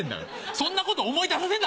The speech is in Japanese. そんなこと思い出させんな